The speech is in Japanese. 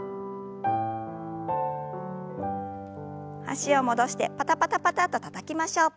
脚を戻してパタパタパタとたたきましょう。